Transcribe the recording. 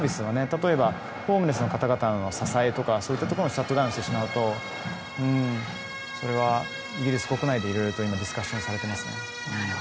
例えばホームレスの方々の支えとか、そういったところもシャットダウンしてしまうとそれはイギリス国内で今いろいろとディスカッションされています。